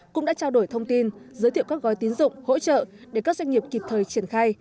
cũng đã trao đổi thông tin giới thiệu các gói tín dụng hỗ trợ để các doanh nghiệp kịp thời triển khai